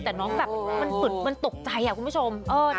แต่น้องแบบตกใจแล้วคุณผู้ชม